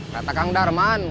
kata kang darman